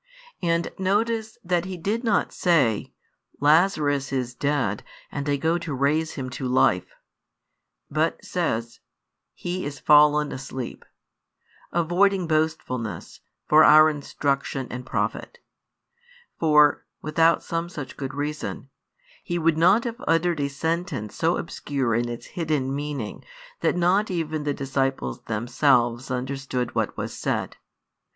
And |114 notice that He did not say: "Lazarus is dead and I go to raise him to life," but says: "He is fallen asleep," avoiding boastfulness, for our instruction and profit; for [without some such good reason] He would not have uttered a sentence so obscure in its hidden meaning that not even the disciples themselves understood what was said.